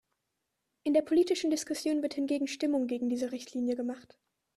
In der politischen Diskussion wird hingegen Stimmung gegen diese Richtlinie gemacht.